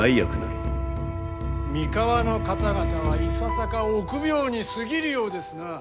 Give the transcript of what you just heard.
三河の方々はいささか臆病に過ぎるようですなあ。